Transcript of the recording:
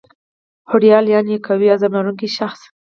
هوډیال یعني قوي عظم لرونکی شخص